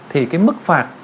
thì cái mức phạt